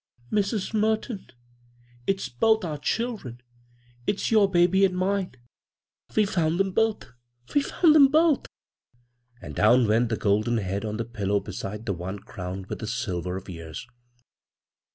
" Mrs. Merton, it's both our children — if s your baby and minel We've found them both — we've found them both 1 " And down went the golden head on the pillow beside the one crowned with the silver of years.